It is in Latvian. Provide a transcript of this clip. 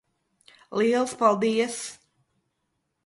Liels paldies.